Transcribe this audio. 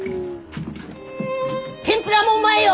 天ぷらもうまいよ！